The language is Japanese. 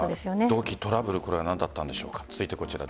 動機、トラブル何だったのでしょうか。